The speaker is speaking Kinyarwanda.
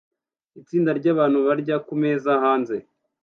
Itsinda ryabantu barya kumeza hanze